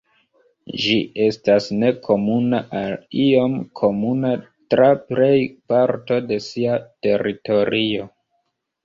Ĝi estas nekomuna al iom komuna tra plej parto de sia teritorio.